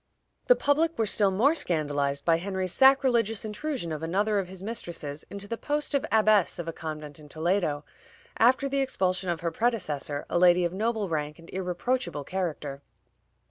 The public were still more scandalized by Henry's sacrilegious intrusion of another of his mistresses into the post of abbess of a convent in Toledo, after the expulsion of her predecessor, a lady of noble rank and irreproachable character.